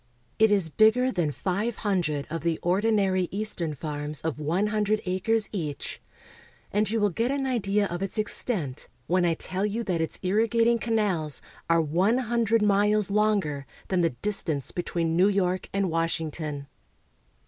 It is bigger than five hundred of the ordinary eastern farms of one hundred acres each ; and you will get an idea of its extent when I tell you that its irrigating canals are one hundred miles longer than the distance between New York and Washington.